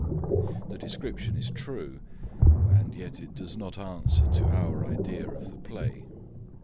The description is true; and yet it does not answer to our idea of the play.